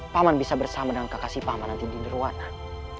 paman bisa bersama dengan kakak si paman nanti di neruanan